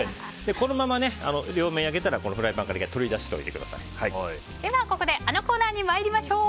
このまま両面焼けたらフライパンからここで、あのコーナーに参りましょう！